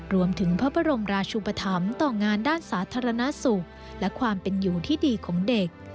รวมถึงพระบรมราชุปธรรมต่องานด้านสาธารณสุขและความเป็นอยู่ที่ดีของเด็ก